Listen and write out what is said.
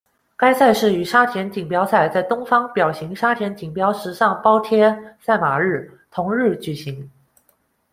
该赛事与沙田锦标在「东方表行沙田锦标时尚煲呔赛马日」同日举行。